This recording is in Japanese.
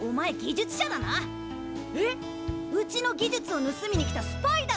うちの技術をぬすみに来たスパイだろ！